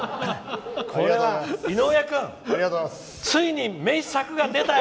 井上君、ついに名作が出たよ！